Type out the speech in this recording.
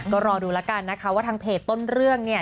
ก็รอดูแล้วกันนะคะว่าทางเพจต้นเรื่องเนี่ย